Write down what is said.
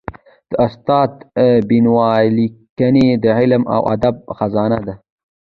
د استاد بینوا ليکني د علم او ادب خزانه ده.